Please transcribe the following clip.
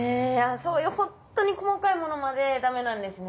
そういうほんとに細かいものまでダメなんですね。